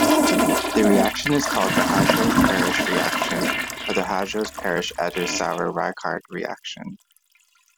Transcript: The reaction is called the Hajos-Parrish reaction or the Hajos-Parrish-Eder-Sauer-Wiechert reaction.